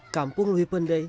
kampung lewi pendei